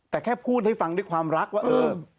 แต่แค่พูดให้ฟังด้วยความรักว่าเออ